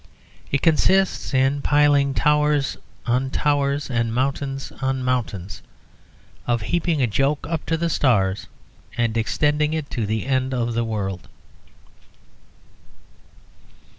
It consists in piling towers on towers and mountains on mountains; of heaping a joke up to the stars and extending it to the end of the world.